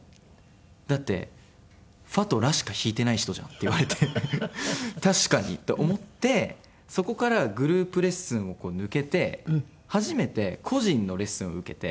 「だってファとラしか弾いてない人じゃん」って言われて「確かに」と思ってそこからグループレッスンを抜けて初めて個人のレッスンを受けて。